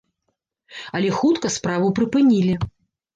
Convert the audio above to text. Але хутка справу прыпынілі.